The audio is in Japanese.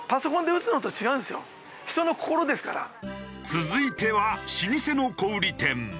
続いては老舗の小売店。